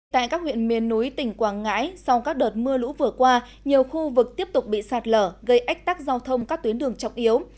tại các huyện miền núi tỉnh quảng ngãi sau các đợt mưa lũ vừa qua nhiều khu vực tiếp tục bị sạt lở gây ách tắc giao thông các tuyến đường chọc yếu